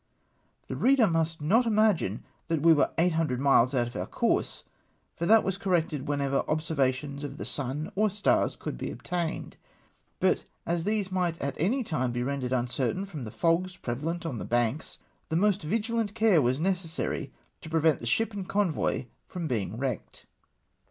The reader must not imagine that we were 800 miles out of our course, for that was corrected whenever observations of the sun or stars could be obtained ; but as these might at any time be rendered uncertain fi'om the fogs prevalent on the banks, the most vigilant care was necessary to prevent the ship and convoy from being wrecked.